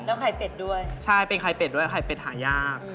แล้วไข่เป็ดด้วยใช่เป็นไข่เป็ดด้วยไข่เป็ดหายาก